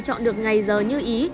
chọn được ngày giờ như ý